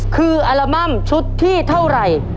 คืออัลบั้มชุดที่เท่าไหร่